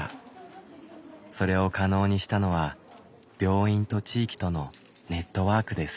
それを可能にしたのは病院と地域とのネットワークです。